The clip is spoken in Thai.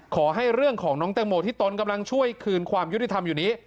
ขอให้เรื่องของน้องแตงโมที่ตนกำลังช่วยคืนความยุติธรรมอยู่นี้